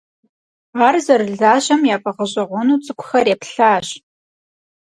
Ar zerılajem yaf'eğeş'eğuenu ts'ık'uxer yêplhaş.